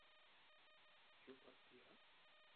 ¿yo partiera?